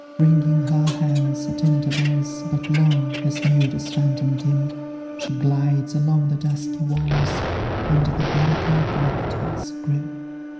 Wringing her hands, at intervals But long as mute as phantom dim She glides along the dusky walls, Under the black oak rafters grim.